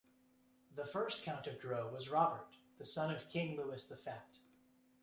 The first count of Dreux was Robert, the son of King Louis the Fat.